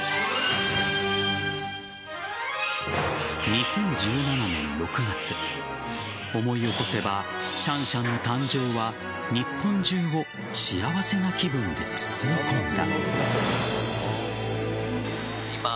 ２０１７年６月思い起こせばシャンシャンの誕生は日本中を幸せな気分で包み込んだ。